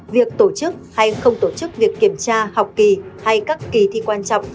việc tổ chức hay không tổ chức việc kiểm tra học kỳ hay các kỳ thi quan trọng